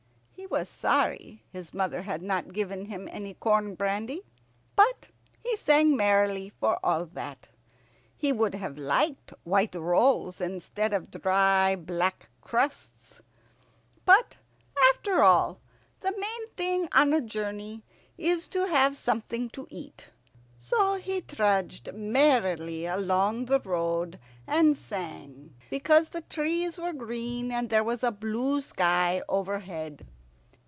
He was sorry his mother had not given him any corn brandy; but he sang merrily for all that. He would have liked white rolls instead of the dry black crusts; but, after all, the main thing on a journey is to have something to eat. So he trudged merrily along the road, and sang because the trees were green and there was a blue sky overhead.